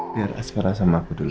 biar asfara sama aku dulu ya